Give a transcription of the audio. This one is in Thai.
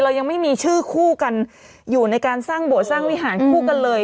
ยังไม่มีชื่อคู่กันอยู่ในการสร้างโบสถสร้างวิหารคู่กันเลย